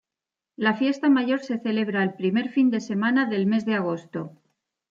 La fiesta mayor se celebra el primer fin de semana del mes de agosto.